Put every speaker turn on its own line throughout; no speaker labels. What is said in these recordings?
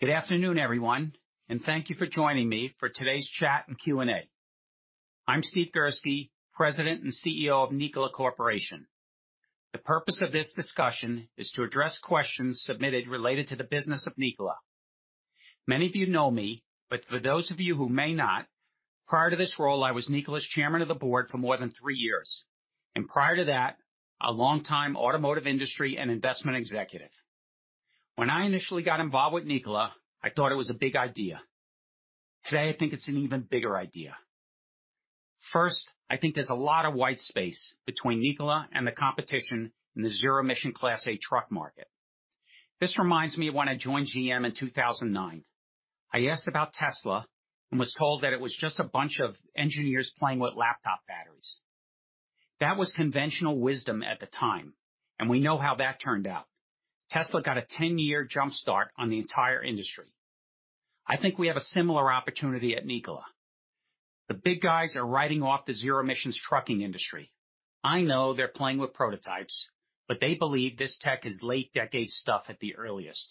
Good afternoon, everyone, and thank you for joining me for today's chat and Q&A. I'm Steve Girsky, President and CEO of Nikola Corporation. The purpose of this discussion is to address questions submitted related to the business of Nikola. Many of you know me, but for those of you who may not, prior to this role, I was Nikola's chairman of the board for more than three years, and prior to that, a long time automotive industry and investment executive. When I initially got involved with Nikola, I thought it was a big idea. Today, I think it's an even bigger idea. First, I think there's a lot of white space between Nikola and the competition in the zero-emission Class 8 truck market. This reminds me of when I joined GM in 2009. I asked about Tesla and was told that it was just a bunch of engineers playing with laptop batteries. That was conventional wisdom at the time, and we know how that turned out. Tesla got a 10-year jump start on the entire industry. I think we have a similar opportunity at Nikola. The big guys are writing off the zero-emission trucking industry. I know they're playing with prototypes, but they believe this tech is late decade stuff at the earliest.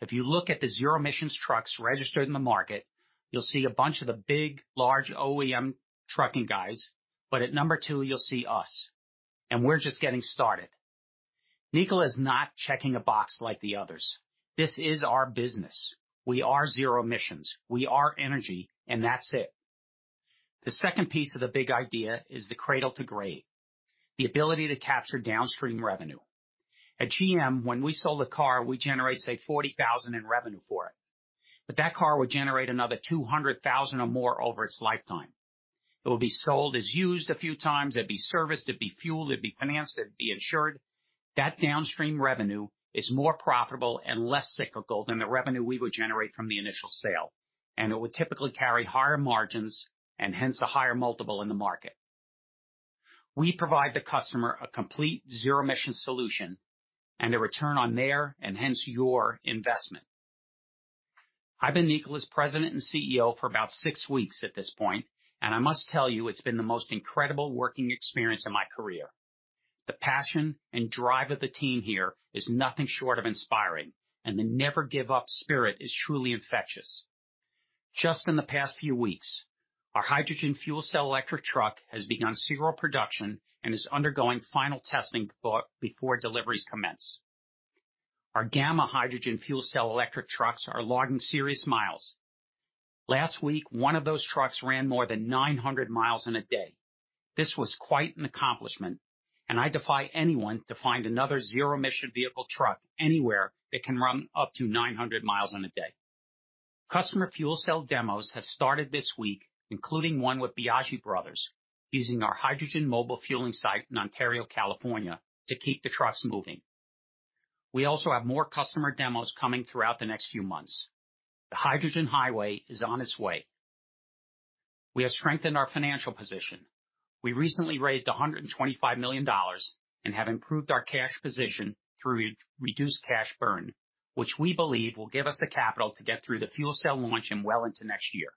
If you look at the zero-emission trucks registered in the market, you'll see a bunch of the big, large OEM trucking guys, but at number 2, you'll see us, and we're just getting started. Nikola is not checking a box like the others. This is our business. We are zero emission, we are energy, and that's it. The second piece of the big idea is the cradle-to-grave, the ability to capture downstream revenue. At GM, when we sold a car, we generate, say, $40,000 in revenue for it, but that car would generate another $200,000 or more over its lifetime. It will be sold as used a few times. It'd be serviced, it'd be fueled, it'd be financed, it'd be insured. That downstream revenue is more profitable and less cyclical than the revenue we would generate from the initial sale, and it would typically carry higher margins and hence a higher multiple in the market. We provide the customer a complete zero-emission solution and a return on their, and hence your investment. I've been Nikola's President and CEO for about six weeks at this point, and I must tell you, it's been the most incredible working experience in my career. The passion and drive of the team here is nothing short of inspiring, and the never-give-up spirit is truly infectious. Just in the past few weeks, our hydrogen fuel cell electric truck has begun serial production and is undergoing final testing before deliveries commence. Our gamma hydrogen fuel cell electric trucks are logging serious miles. Last week, one of those trucks ran more than 900 miles in a day. This was quite an accomplishment, and I defy anyone to find another zero-emission vehicle truck anywhere that can run up to 900 miles in a day. Customer fuel cell demos have started this week, including one with Biagi Bros., using our hydrogen mobile fueling site in Ontario, California, to keep the trucks moving. We also have more customer demos coming throughout the next few months. The hydrogen highway is on its way. We have strengthened our financial position. We recently raised $125 million and have improved our cash position through reduced cash burn, which we believe will give us the capital to get through the fuel cell launch and well into next year.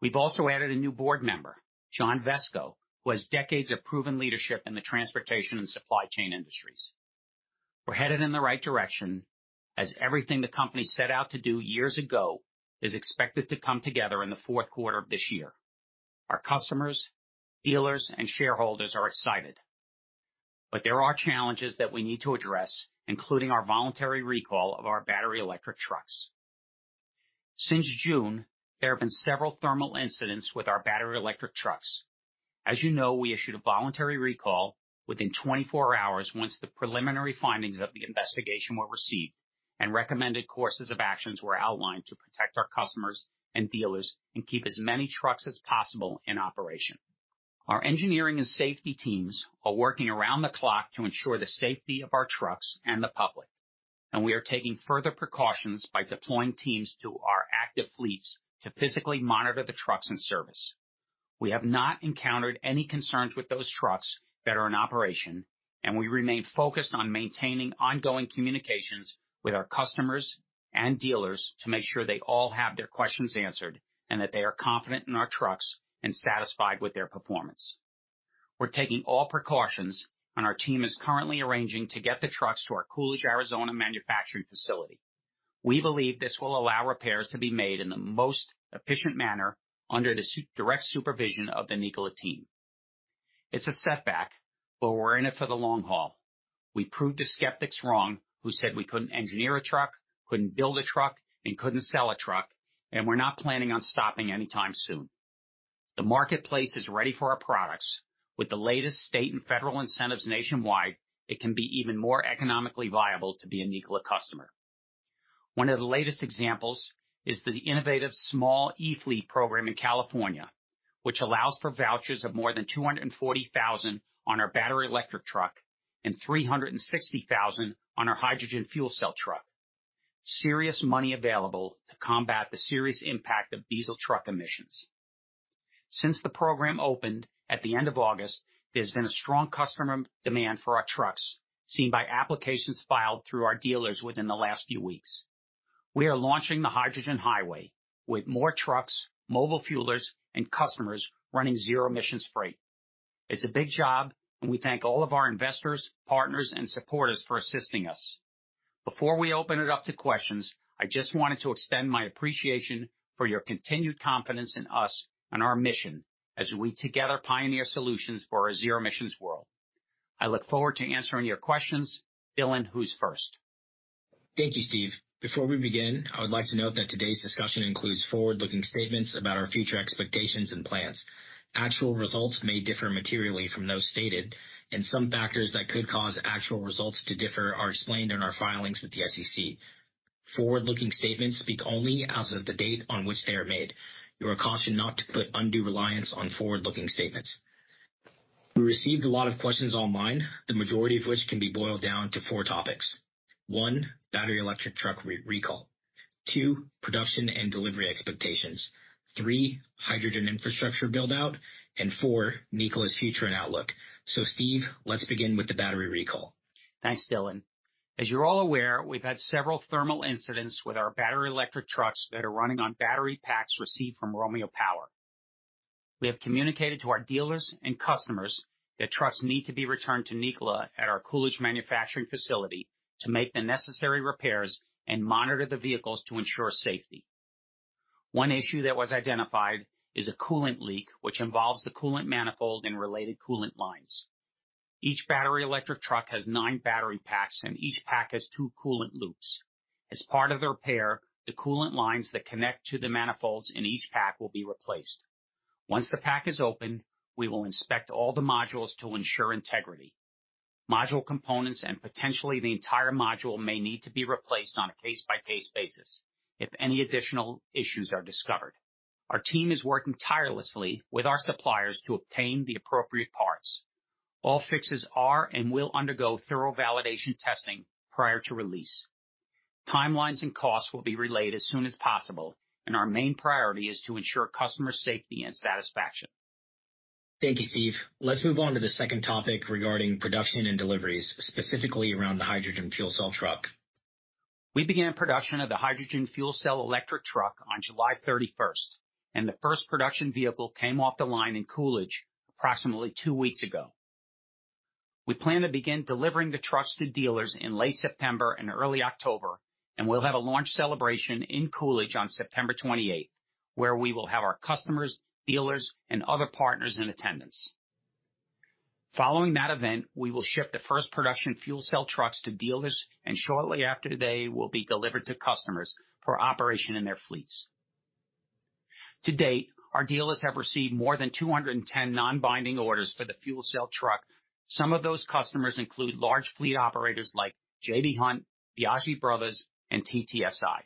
We've also added a new board member, John Vesco, who has decades of proven leadership in the transportation and supply chain industries. We're headed in the right direction as everything the company set out to do years ago is expected to come together in the fourth quarter of this year. Our customers, dealers, and shareholders are excited, but there are challenges that we need to address, including our voluntary recall of our battery electric trucks. Since June, there have been several thermal incidents with our battery electric trucks. As you know, we issued a voluntary recall within 24 hours once the preliminary findings of the investigation were received and recommended courses of actions were outlined to protect our customers and dealers and keep as many trucks as possible in operation. Our engineering and safety teams are working around the clock to ensure the safety of our trucks and the public, and we are taking further precautions by deploying teams to our active fleets to physically monitor the trucks and service. We have not encountered any concerns with those trucks that are in operation, and we remain focused on maintaining ongoing communications with our customers and dealers to make sure they all have their questions answered, and that they are confident in our trucks and satisfied with their performance. We're taking all precautions, and our team is currently arranging to get the trucks to our Coolidge, Arizona, manufacturing facility.. We believe this will allow repairs to be made in the most efficient manner under the direct supervision of the Nikola team. It's a setback, but we're in it for the long haul. We proved the skeptics wrong who said we couldn't engineer a truck, couldn't build a truck, and couldn't sell a truck, and we're not planning on stopping anytime soon. The marketplace is ready for our products. With the latest state and federal incentives nationwide, it can be even more economically viable to be a Nikola customer. One of the latest examples is the Innovative Small E-Fleet Program in California, which allows for vouchers of more than $240,000 on our battery electric truck and $360,000 on our hydrogen fuel cell truck. Serious money available to combat the serious impact of diesel truck emissions. Since the program opened at the end of August, there's been a strong customer demand for our trucks, seen by applications filed through our dealers within the last few weeks. We are launching the hydrogen highway with more trucks, mobile fuelers, and customers running zero-emissions freight.... It's a big job, and we thank all of our investors, partners, and supporters for assisting us. Before we open it up to questions, I just wanted to extend my appreciation for your continued confidence in us and our mission as we together pioneer solutions for a zero emissions world. I look forward to answering your questions. Dhillon, who's first?
Thank you, Steve. Before we begin, I would like to note that today's discussion includes forward-looking statements about our future expectations and plans. Actual results may differ materially from those stated, and some factors that could cause actual results to differ are explained in our filings with the SEC. Forward-looking statements speak only as of the date on which they are made. You are cautioned not to put undue reliance on forward-looking statements. We received a lot of questions online, the majority of which can be boiled down to four topics. One, battery electric truck recall. Two, production and delivery expectations. Three, hydrogen infrastructure build-out, and four, Nikola's future and outlook. So Steve, let's begin with the battery recall.
Thanks, Dhillon. As you're all aware, we've had several thermal incidents with our battery electric trucks that are running on battery packs received from Romeo Power. We have communicated to our dealers and customers that trucks need to be returned to Nikola at our Coolidge manufacturing facility to make the necessary repairs and monitor the vehicles to ensure safety. One issue that was identified is a coolant leak, which involves the coolant manifold and related coolant lines. Each battery electric truck has 9 battery packs, and each pack has 2 coolant loops. As part of the repair, the coolant lines that connect to the manifolds in each pack will be replaced. Once the pack is open, we will inspect all the modules to ensure integrity. Module components and potentially the entire module may need to be replaced on a case-by-case basis if any additional issues are discovered. Our team is working tirelessly with our suppliers to obtain the appropriate parts. All fixes are and will undergo thorough validation testing prior to release. Timelines and costs will be relayed as soon as possible, and our main priority is to ensure customer safety and satisfaction.
Thank you, Steve. Let's move on to the second topic regarding production and deliveries, specifically around the hydrogen fuel cell truck.
We began production of the hydrogen fuel cell electric truck on July 31, and the first production vehicle came off the line in Coolidge approximately two weeks ago. We plan to begin delivering the trucks to dealers in late September and early October, and we'll have a launch celebration in Coolidge on September 28, where we will have our customers, dealers, and other partners in attendance. Following that event, we will ship the first production fuel cell trucks to dealers, and shortly after, they will be delivered to customers for operation in their fleets. To date, our dealers have received more than 210 non-binding orders for the fuel cell truck. Some of those customers include large fleet operators like J.B. Hunt, Biagi Bros., and TTSI.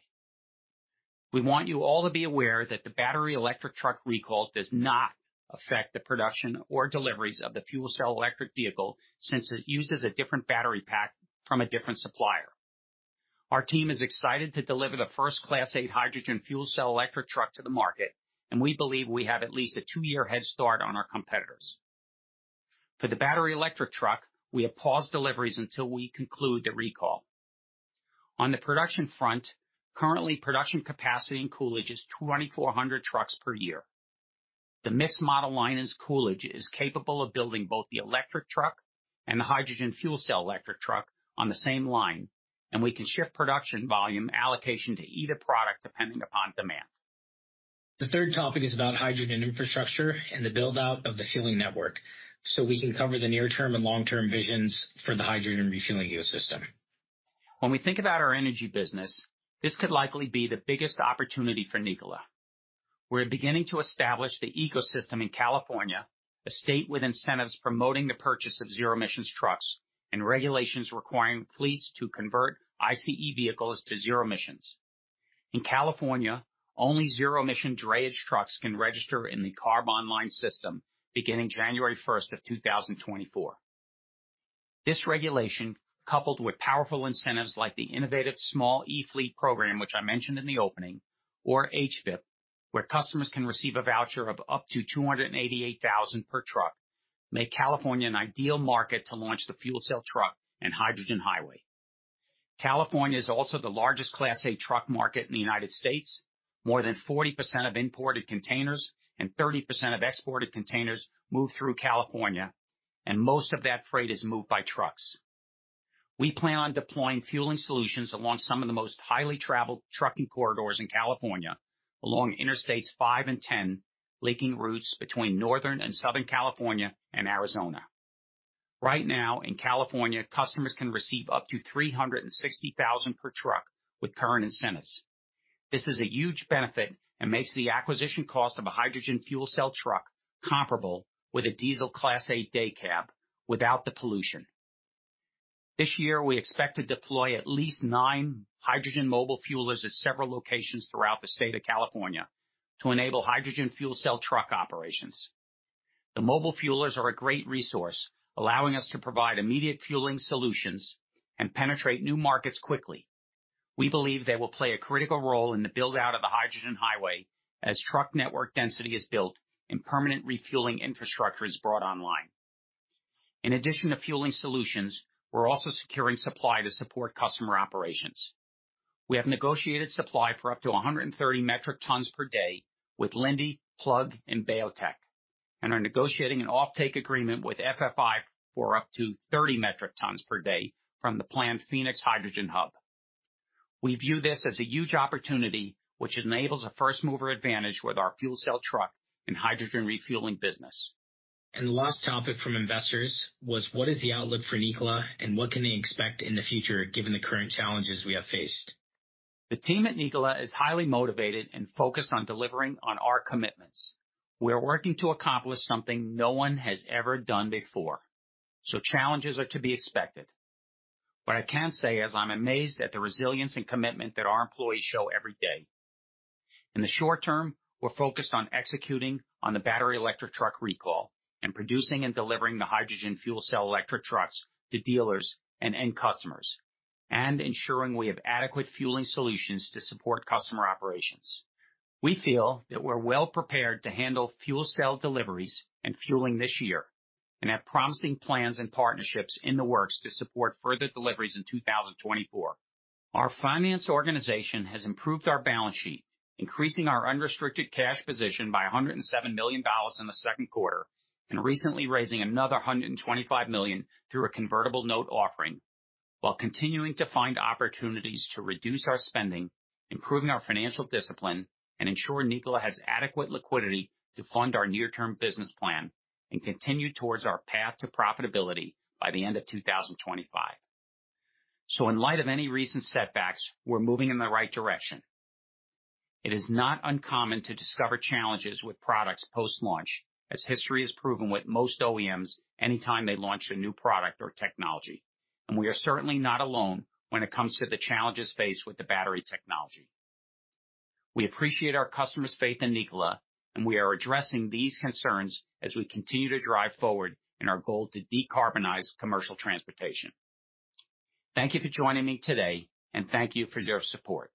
We want you all to be aware that the battery electric truck recall does not affect the production or deliveries of the fuel cell electric vehicle, since it uses a different battery pack from a different supplier. Our team is excited to deliver the first Class 8 hydrogen fuel cell electric truck to the market, and we believe we have at least a two-year head start on our competitors. For the battery electric truck, we have paused deliveries until we conclude the recall. On the production front, currently, production capacity in Coolidge is 2,400 trucks per year. The mixed model line in Coolidge is capable of building both the electric truck and the hydrogen fuel cell electric truck on the same line, and we can shift production, volume, allocation to either product, depending upon demand.
The third topic is about hydrogen infrastructure and the build-out of the fueling network, so we can cover the near-term and long-term visions for the hydrogen refueling ecosystem.
When we think about our energy business, this could likely be the biggest opportunity for Nikola. We're beginning to establish the ecosystem in California, a state with incentives promoting the purchase of zero-emission trucks and regulations requiring fleets to convert ICE vehicles to zero-emission. In California, only zero-emission drayage trucks can register in the CARB online system beginning January 1, 2024. This regulation, coupled with powerful incentives like the Innovative Small E-Fleet Program, which I mentioned in the opening, or HVIP, where customers can receive a voucher of up to $288,000 per truck, make California an ideal market to launch the fuel cell truck and hydrogen highway. California is also the largest Class 8 truck market in the United States. More than 40% of imported containers and 30% of exported containers move through California, and most of that freight is moved by trucks. We plan on deploying fueling solutions along some of the most highly traveled trucking corridors in California, along Interstates 5 and 10, linking routes between Northern and Southern California and Arizona. Right now, in California, customers can receive up to $360,000 per truck with current incentives. This is a huge benefit and makes the acquisition cost of a hydrogen fuel cell truck comparable with a diesel Class 8 day cab without the pollution. This year, we expect to deploy at least nine hydrogen mobile fuelers at several locations throughout the state of California to enable hydrogen fuel cell truck operations. The mobile fuelers are a great resource, allowing us to provide immediate fueling solutions and penetrate new markets quickly. We believe they will play a critical role in the build-out of the hydrogen highway as truck network density is built and permanent refueling infrastructure is brought online.... In addition to fueling solutions, we're also securing supply to support customer operations. We have negotiated supply for up to 130 metric tons per day with Linde, Plug, and BayoTech, and are negotiating an offtake agreement with FFI for up to 30 metric tons per day from the planned Phoenix Hydrogen Hub. We view this as a huge opportunity, which enables a first mover advantage with our fuel cell truck and hydrogen refueling business.
The last topic from investors was: What is the outlook for Nikola and what can they expect in the future, given the current challenges we have faced?
The team at Nikola is highly motivated and focused on delivering on our commitments. We are working to accomplish something no one has ever done before, so challenges are to be expected. What I can say is, I'm amazed at the resilience and commitment that our employees show every day. In the short term, we're focused on executing on the battery electric truck recall and producing and delivering the hydrogen fuel cell electric trucks to dealers and end customers, and ensuring we have adequate fueling solutions to support customer operations. We feel that we're well prepared to handle fuel cell deliveries and fueling this year, and have promising plans and partnerships in the works to support further deliveries in 2024. Our finance organization has improved our balance sheet, increasing our unrestricted cash position by $107 million in the second quarter, and recently raising another $125 million through a convertible note offering, while continuing to find opportunities to reduce our spending, improving our financial discipline, and ensure Nikola has adequate liquidity to fund our near-term business plan and continue towards our path to profitability by the end of 2025. So in light of any recent setbacks, we're moving in the right direction. It is not uncommon to discover challenges with products post-launch, as history has proven with most OEMs, anytime they launch a new product or technology, and we are certainly not alone when it comes to the challenges faced with the battery technology. We appreciate our customers' faith in Nikola, and we are addressing these concerns as we continue to drive forward in our goal to decarbonize commercial transportation. Thank you for joining me today, and thank you for your support.